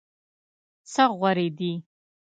څه غورې دي.